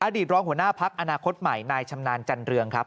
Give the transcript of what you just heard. ตรองหัวหน้าพักอนาคตใหม่นายชำนาญจันเรืองครับ